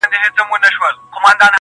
اور په اور وژل کېږي.